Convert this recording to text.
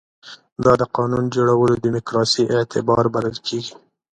دا د قانون جوړولو دیموکراسي اعتبار بلل کېږي.